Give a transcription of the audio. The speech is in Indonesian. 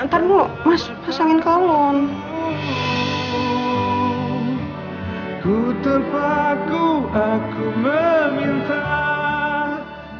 ntar dulu mas pasangin ke alun